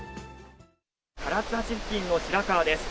辛津橋付近の白川です。